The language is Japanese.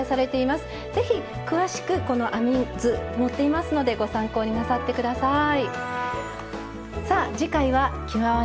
是非詳しくこの編み図載っていますのでご参考になさって下さい。